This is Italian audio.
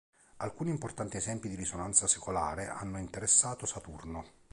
Alcuni importanti esempi di risonanza secolare hanno interessato Saturno.